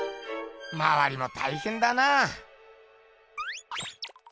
まわりもたいへんだな。